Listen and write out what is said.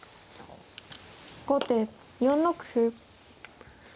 後手４六歩。